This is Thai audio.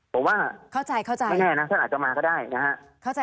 ผมว่าไม่แน่นะท่านอาจจะมาก็ได้นะฮะ